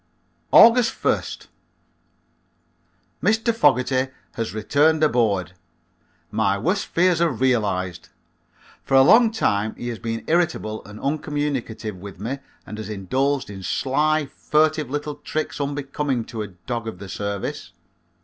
August 1st. Mr. Fogerty has returned aboard. My worst fears are realized. For a long time he has been irritable and uncommunicative with me and has indulged in sly, furtive little tricks unbecoming to a dog of the service.